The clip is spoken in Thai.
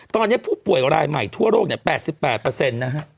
ตอนเนี้ยผู้ป่วยรายใหม่ทั่วโลกเนี้ยแปดสิบแปดเปอร์เซ็นต์นะฮะ